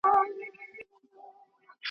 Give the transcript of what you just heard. بې مشاله مي رویباره چي رانه سې.